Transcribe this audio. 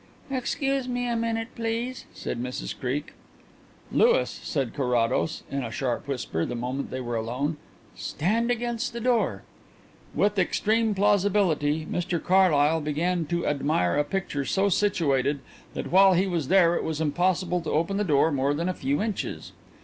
"Excuse me a minute, please," said Mrs Creake. "Louis," said Carrados, in a sharp whisper, the moment they were alone, "stand against the door." With extreme plausibility Mr Carlyle began to admire a picture so situated that while he was there it was impossible to open the door more than a few inches.